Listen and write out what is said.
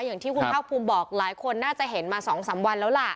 อย่างที่คุณภาคภูมิบอกหลายคนน่าจะเห็นมา๒๓วันแล้วล่ะ